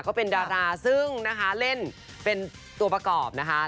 ก็เป็นดาราซึ่งนะคะเล่นเป็นตัวประกอบนะคะ